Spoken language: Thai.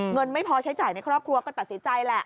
ไม่พอใช้จ่ายในครอบครัวก็ตัดสินใจแหละ